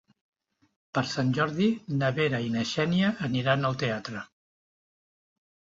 Per Sant Jordi na Vera i na Xènia aniran al teatre.